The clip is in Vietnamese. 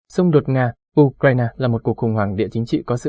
xung đột nga ukraine là một cuộc khủng hoảng địa chính trị có sự